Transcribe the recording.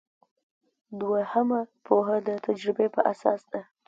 دوهمه پوهه د تجربې په اساس ده.